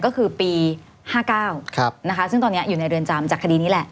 ก็คือปี๕๙นะคะซึ่งตอนนี้อยู่ในเรือนจำจากคดีนี้แหละ